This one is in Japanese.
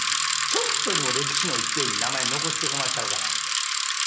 ちょっとでも歴史の１ページに名前残してこましたろうかな思うて。